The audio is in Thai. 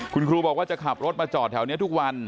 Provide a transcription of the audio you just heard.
คุณครูบอกว่าจะขับรถมาจอดแถวนี้ทุกวัน